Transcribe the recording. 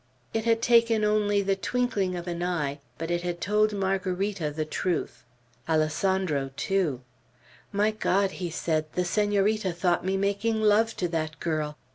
It had taken only the twinkling of an eye, but it had told Margarita the truth. Alessandro too. "My God." he said, "the Senorita thought me making love to that girl.